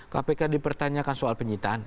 kpk dipertanyakan soal penyitaan